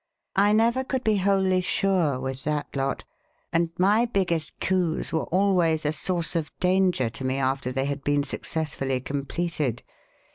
I never could be wholly sure, with that lot; and my biggest coups were always a source of danger to me after they had been successfully completed.